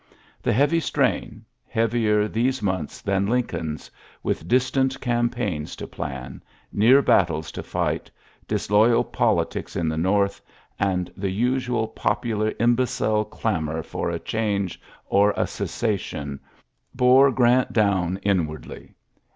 The heavy strain — heavier these months than Lincoln's — with dis tant campaigns to plan, near battles to fight, disloyal politics in the North, and the usual popular imbecile clamour for a change or a cessation, bore Grant down 108 ULYSSES S. GEANT inwardly.